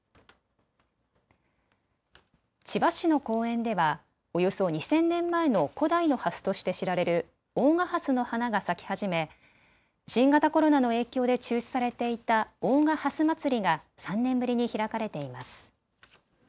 千葉市の公園ではおよそ２０００年前の古代のハスとして知られる大賀ハスの花が咲き始め新型コロナの影響で中止されていた大賀ハスまつりが３年ぶりに開かれています。